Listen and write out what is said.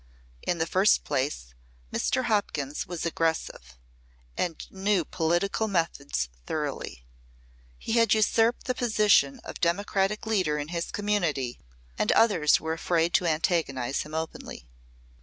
In the first place, Mr. Hopkins was aggressive, and knew political methods thoroughly. He had usurped the position of Democratic leader in his community and the others were afraid to antagonize him openly.